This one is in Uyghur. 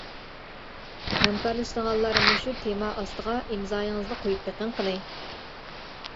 ھەمكارلىشىدىغانلار مۇشۇ تېما ئاستىغا ئىمزايىڭىزنى قويۇپ بېقىڭ قېنى.